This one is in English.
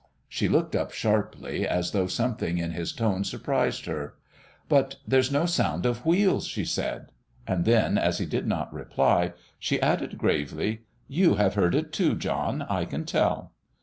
She looked up sharply, as though something in his tone surprised her. "But there's no sound of wheels," she said. And then, as he did not reply, she added gravely, "You have heard it too, John. I can tell."